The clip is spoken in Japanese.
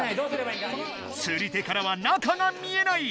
つり手からは中が見えない！